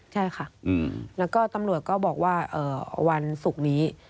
ใช่ค่ะแล้วก็ตำรวจก็บอกว่าวันศุกร์นี้